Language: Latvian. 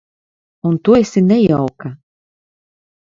Un tu esi nejauka.